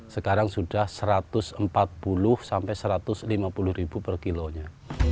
sekarang sudah satu ratus empat puluh sampai satu ratus lima puluh ribu per kilonya